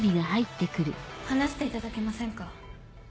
話していただけませんか？